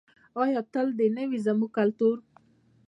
آیا تل دې نه وي زموږ کلتور؟